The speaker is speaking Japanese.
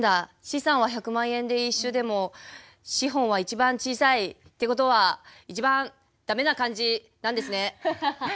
資産は１００万円で一緒でも資本は一番小さい。って事は一番駄目な感じなんですね。